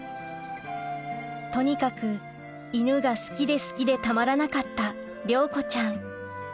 とにかく犬が好きで好きでたまらなかった亮子ちゃん